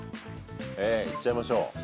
行っちゃいましょう。